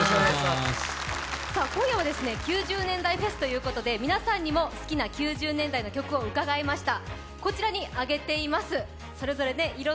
今夜は９０年代フェスということで皆さんにも好きな曲を聞きました。